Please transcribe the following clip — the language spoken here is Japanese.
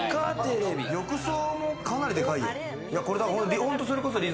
浴槽も、かなりでかいよ。